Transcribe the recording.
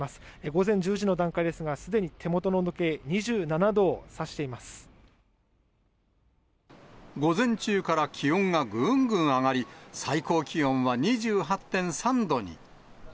午前１０時の段階ですが、すでに手元の温度計、午前中から気温がぐんぐん上がり、最高気温は２８．３度に。